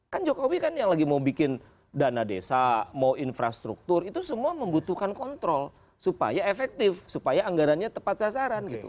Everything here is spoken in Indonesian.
kan jokowi kan yang lagi mau bikin dana desa mau infrastruktur itu semua membutuhkan kontrol supaya efektif supaya anggarannya tepat sasaran gitu